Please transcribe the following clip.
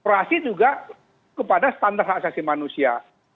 operasi juga kepada standar hak asasi manusia